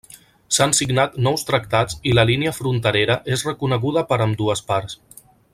S'han signat nous tractats i la línia fronterera és reconeguda per ambdues parts.